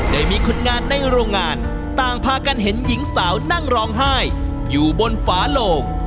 ได้มีคนงานในโรงงานต่างพากันเห็นหญิงสาวนั่งร้องไห้อยู่บนฝาโลง